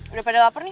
udah pada lapar nih